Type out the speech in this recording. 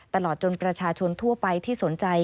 ตลอดจนประชาชนทั่วไปที่สนใจ